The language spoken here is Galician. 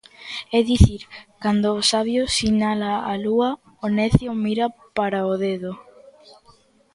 É dicir, cando o sabio sinala a lúa, o necio mira para o dedo.